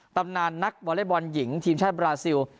ตำนานนักวอเล็กบอลหญิงทีมชาติบราซิล